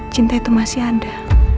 cinta itu masih ada